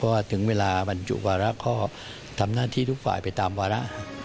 ว่าถึงเวลาบรรจุวาระก็ทำหน้าที่ทุกฝ่ายไปตามวาระ